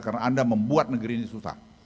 karena anda membuat negeri ini susah